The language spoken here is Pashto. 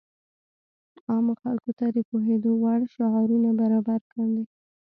عامو خلکو ته د پوهېدو وړ شعارونه برابر کاندي.